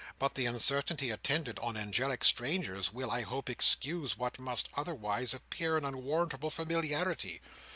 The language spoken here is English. But the uncertainty attendant on angelic strangers, will, I hope, excuse what must otherwise appear an unwarrantable familiarity."